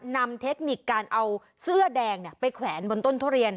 เทคนิคการเอาเสื้อแดงไปแขวนบนต้นทุเรียน